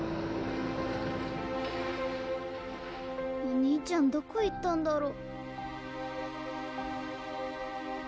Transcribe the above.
お兄ちゃんどこ行ったんだろ。